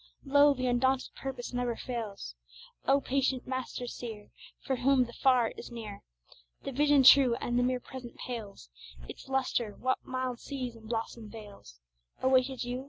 Lo! the undaunted purpose never fails! O patient master, seer, For whom the far is near, The vision true, and the mere present pales Its lustre, what mild seas and blossomed vales Awaited you?